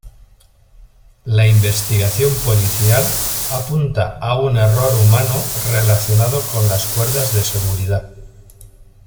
La investigación policial apunta a un error humano relacionado con las cuerdas de seguridad.